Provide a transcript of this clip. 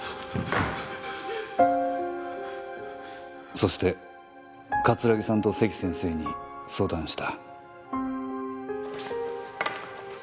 そして桂木さんと関先生に相談した。